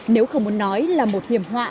nếu không muốn nói là một hiểm họa